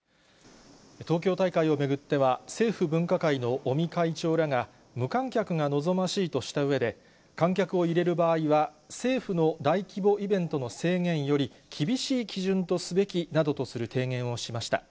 東京大会を巡っては、政府分科会の尾身会長らが、無観客が望ましいとしたうえで、観客を入れる場合は政府の大規模イベントの制限より厳しい基準とすべきなどとする提言をしました。